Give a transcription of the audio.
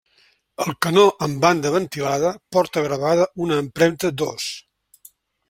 El canó amb banda ventilada porta gravada una empremta d'ós.